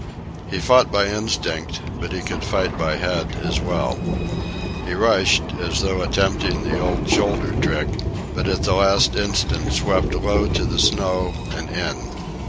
He fought by instinct, but he could fight by head as well. He rushed, as though attempting the old shoulder trick, but at the last instant swept low to the snow and in.